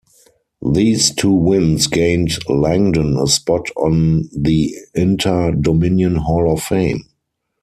These two wins gained Langdon a spot on the Inter Dominion Hall of Fame.